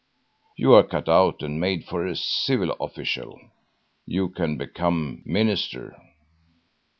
You are cut out and made for a civil official. You can become minister."